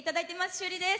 趣里です。